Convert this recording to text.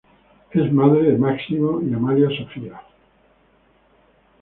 Es madre de Máximo y Amalia Sofía.